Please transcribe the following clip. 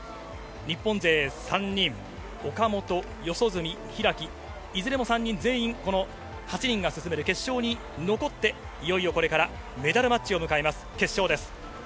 日本勢３人、岡本、四十住、開、いずれの３人、この８人が進める決勝に残って、いよいよこれからメダルマッチを迎えます、決勝です。